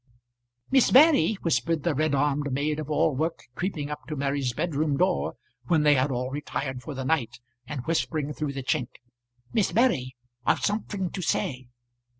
"Miss Mary," whispered the red armed maid of all work, creeping up to Mary's bedroom door, when they had all retired for the night, and whispering through the chink. "Miss Mary. I've somethink to say."